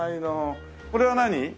これは何？